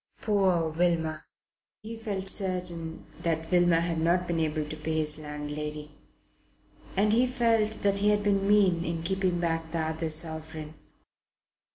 Poor Wilmer! He felt certain that Wilmer had not been able to pay his landlady, and he felt that he had been mean in keeping back the other sovereign.